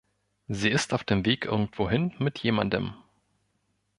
Sie ist auf dem Weg irgendwohin, mit jemandem.